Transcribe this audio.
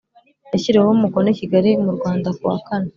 yashyiriweho umukono i Kigali mu Rwanda kuwa kane